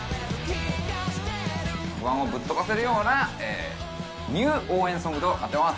不安をぶっ飛ばせるような、ニュー応援ソングとなっています。